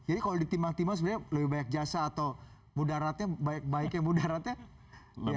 jadi kalau ditima tima sebenarnya lebih banyak jasa atau mudaratnya baik baiknya mudaratnya